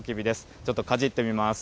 ちょっとかじってみます。